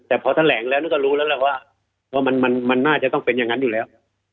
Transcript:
แต่พอแถลงแล้วนี่ก็รู้แล้วแหละว่ามันน่าจะต้องเป็นอย่างนั้นอยู่แล้ว